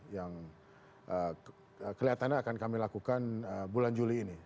yang kelihatannya akan kami lakukan bulan juli ini